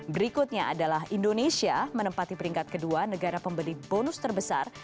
berikutnya adalah indonesia menempati peringkat kedua negara pemberi bonus terbesar